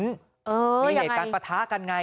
เออยังไงมีเหตุการณ์ประทากันไง